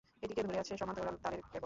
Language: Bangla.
এটিকে ধরে আছে সমান্তরাল তারের কেবল।